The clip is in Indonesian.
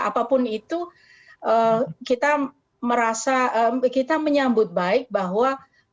apapun itu kita merasa kita menyambut baik bahwa